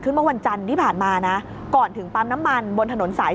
เมื่อวันจันทร์ที่ผ่านมานะก่อนถึงปั๊มน้ำมันบนถนนสาย